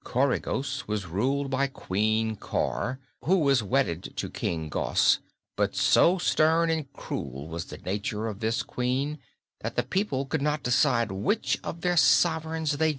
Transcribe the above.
Coregos was ruled by Queen Cor, who was wedded to King Gos; but so stern and cruel was the nature of this Queen that the people could not decide which of their sovereigns they dreaded most.